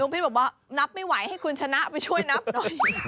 พิษบอกว่านับไม่ไหวให้คุณชนะไปช่วยนับหน่อย